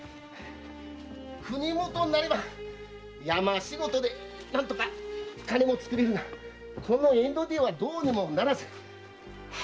国元なら山仕事で金もつくれるがこの江戸ではどうにもならず。